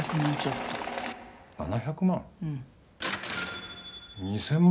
７００万？